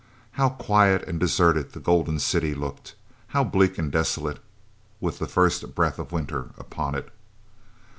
How quiet and deserted the Golden City looked! How bleak and desolate, with the first breath of winter upon it!